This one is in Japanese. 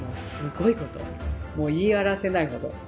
もう言い表せないほど。